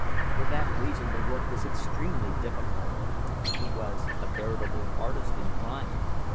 For that reason the work was extremely difficult. He was a veritable artist in crime.